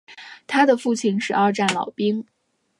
他的父亲是二战老兵。